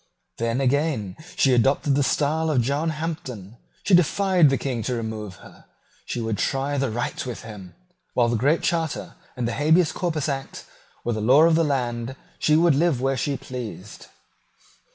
Then again she adopted the style of John Hampden. She defied the King to remove her. She would try the right with him. While the Great Charter and the Habeas Corpus Act were the law of the land, she would live where she pleased.